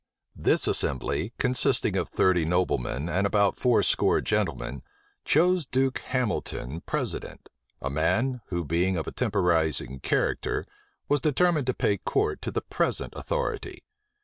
This assembly, consisting of thirty noblemen and about four score gentlemen, chose Duke Hamilton president; a man who, being of a temporizing character, was determined to pay court to the present authority.